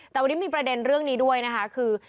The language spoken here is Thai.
แต่วันนี้มีประเด็นเรื่องนี้ด้วยนะคะคือ